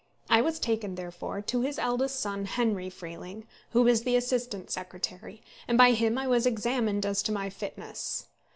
I was taken, therefore, to his eldest son Henry Freeling, who was the assistant secretary, and by him I was examined as to my fitness.